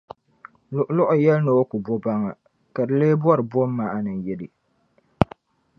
Luɣuluɣu yɛli ni o ku dooi baŋa ka di lee bɔri bɔ maana yili?